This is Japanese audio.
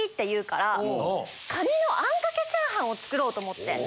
カニのあんかけチャーハン作ろうと思って。